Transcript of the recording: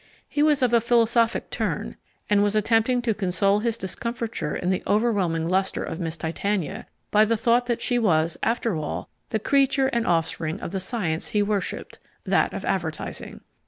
He was of a philosophic turn, and was attempting to console his discomfiture in the overwhelming lustre of Miss Titania by the thought that she was, after all, the creature and offspring of the science he worshipped that of Advertising.